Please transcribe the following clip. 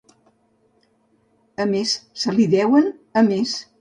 A més se li deuen, a més.